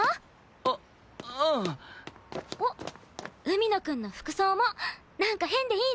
海野くんの服装もなんか変でいいね！